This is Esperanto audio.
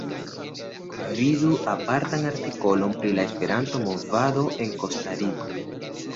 Vidu apartan artikolon pri la Esperanto-movado en Kostariko.